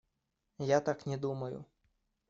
Я так не думаю.